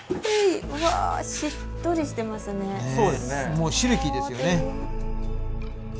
もうシルキーですよね。